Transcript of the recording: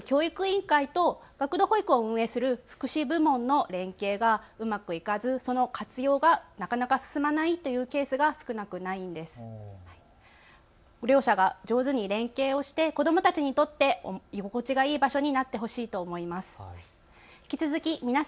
ただ学校を管轄する教育委員会と学童保育を運営する福祉部門の連携がうまく行かず、その活用がなかなか進まないというケースが少なくないんです。両者が上手に連携をして子どもたちにとって居心地がいい居場所になってほしいと思います。